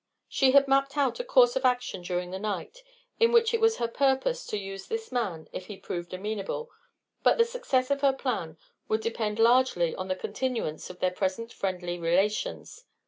She had mapped out a course of action during the night in which it was her purpose to use this man if he proved amenable, but the success of her plan would depend largely on a continuance of their present friendly relations.